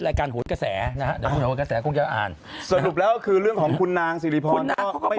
รายการขุนแทรกแสรูปเลยคือเรื่องของคุณนางสิหรือพ่นไม่